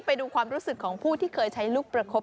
ไปดูความรู้สึกของผู้ที่เคยใช้ลูกประคบ